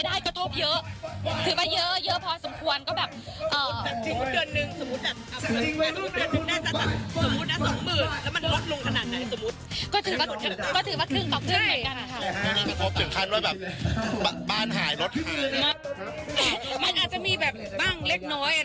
ถ้าก็รู้สึกว่าเราตั้งใจทำเพียงแต่ว่าเราไม่มีประสบการณ์